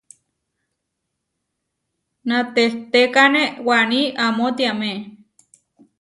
Natehtékane waní amó tiamé.